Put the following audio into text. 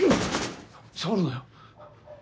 触るなよ。